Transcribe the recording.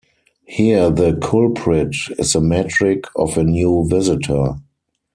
Here the culprit is the metric of a new visitor.